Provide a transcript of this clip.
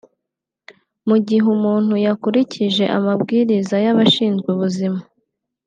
Mu gihe umuntu yakurikije amabwiriza y’abashinzwe ubuzima